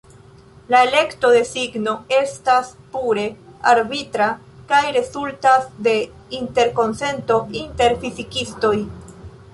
La elekto de signo estas pure arbitra kaj rezultas de interkonsento inter fizikistoj.